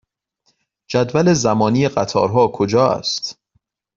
جدول زمانی قطارها کجا است؟